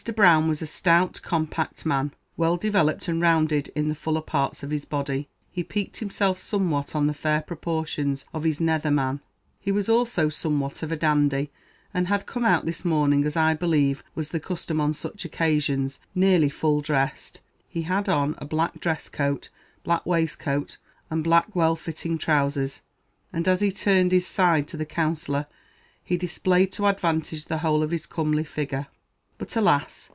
Brown was a stout, compact man, well developed and rounded in the fuller parts of his body; he piqued himself somewhat on the fair proportions of his nether man; he was also somewhat of a dandy; and had come out this morning, as, I believe, was the custom on such occasions, nearly full dressed; he had on a black dress coat, black waistcoat, and black well fitting trousers; and as he turned his side to the Counsellor, he displayed to advantage the whole of his comely figure. But, alas!